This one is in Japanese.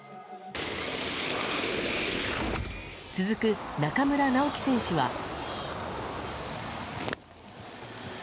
続く、中村直幹選手は。